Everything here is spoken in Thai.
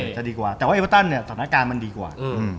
แต่ว่าไอพอตันสถานการณ์ก็ดีกว่า